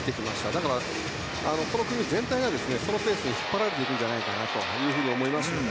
だから、この組全体がそのペースに引っ張られていくんじゃないかなと思います。